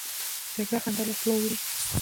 جګړه خندا له خولو وړي